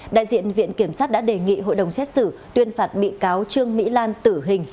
đại diện viện kiểm sát đã đề nghị hội đồng xét xử tuyên phạt bị cáo trương mỹ lan tử hình